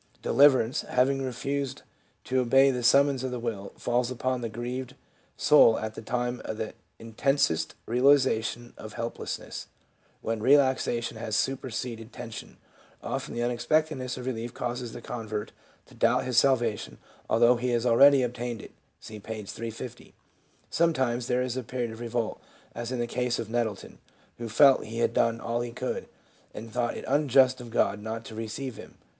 Deliverance, having refused to obey the summons of the will, falls upon the grieved soul at the time of the intensest realization of helplessness, when relaxation has superseded tension ; often the unexpectedness of relief causes the convert to doubt his salvation, although he has already obtained it (see p. 350). Sometimes there is a period of revolt, as in the case of Nettleton, who felt he had done all he could, and thought it unjust of God not to " receive " him.